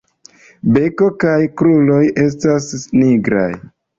Beko kaj kruroj estas nigraj.